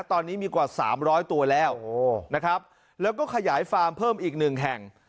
ตอนนี้มีกว่า๓๐๐ตัวแล้วนะครับแล้วก็ขยายฟาร์มเพิ่มอีกหนึ่งแห่ง